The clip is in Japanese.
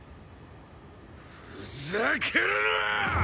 ふざけるなーっ！！